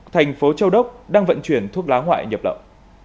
thành phố châu đốc đang vận chuyển thuốc lá ngoại nhập lậu